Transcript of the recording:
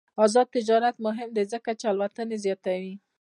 آزاد تجارت مهم دی ځکه چې الوتنې زیاتوي.